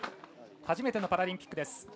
初めてのパラリンピックです。